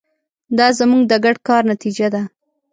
دا زموږ د ګډ کار نتیجه ده.